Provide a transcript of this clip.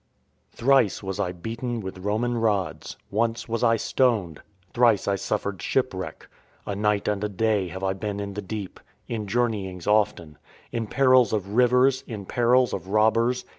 Thrice was I beaten with (Roman) rods, Once was I stoned, Thrice I suffered shipwreck, A night and a day have I been in the deep ; In journeyings often, In perils of rivers, in perils of robbers.